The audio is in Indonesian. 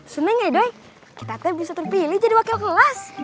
sumpah ga doi kita terpilih jadi wakil kelas